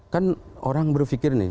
kan orang berpikir nih